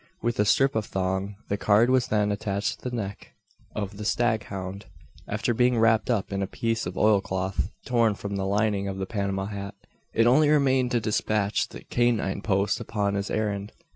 With a strip of thong, the card was then attached to the neck of the staghound, after being wrapped up in a piece of oilcloth torn from the lining of the Panama hat. It only remained to despatch the canine post upon his errand.